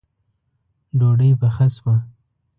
ډوډۍ پخه شوه